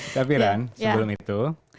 tapi ran sebelum itu